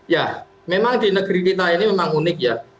ya memang di negeri kita ini memang unik ya